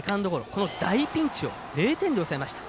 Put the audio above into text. この大ピンチを０点で抑えました。